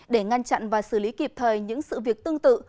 để ngăn chặn và xử lý kịp thời những sự việc tương tự